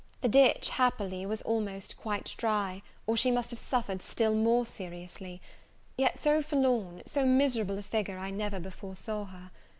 The ditch, happily, was almost quite dry, or she must have suffered still more seriously; yet so forlorn, so miserable a figure, I never before saw her.